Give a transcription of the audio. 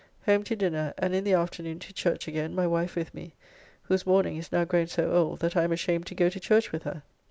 Home to dinner, and in the afternoon to church again, my wife with me, whose mourning is now grown so old that I am ashamed to go to church with her.